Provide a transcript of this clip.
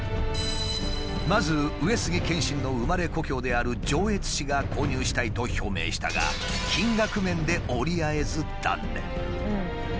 まず上杉謙信の生まれ故郷である上越市が購入したいと表明したが金額面で折り合えず断念。